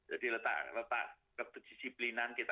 jadi letak kedisiplinan kita